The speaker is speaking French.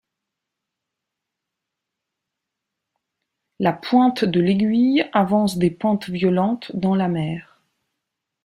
La Pointe de l'Aiguille avance des pentes violentes dans la Mer.